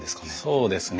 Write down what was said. そうですね。